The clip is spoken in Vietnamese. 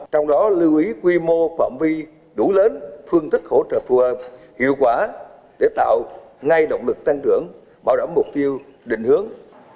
trong đó lưu ý quy mô phạm vi đủ lớn phương tích hỗ trợ hiệu quả để tạo ngay động lực tăng trưởng bảo đảm mục tiêu định hướng